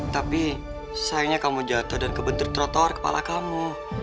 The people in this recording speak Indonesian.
tapi sayangnya kamu jatuh dan kebentur trotoar kepala kamu